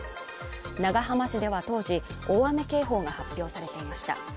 長浜市では当時、大雨警報が発表されていました。